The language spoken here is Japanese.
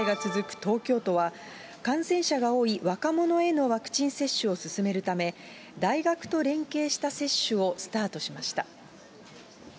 東京都は、感染者が多い若者へのワクチン接種を進めるため、大学と連携した接種をスタートしました。